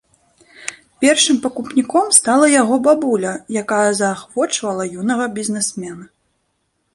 Першым пакупніком стала яго бабуля, якая заахвочвала юнага бізнесмена.